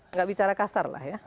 nggak bicara kasar lah ya